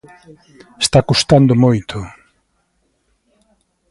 Está custando moito.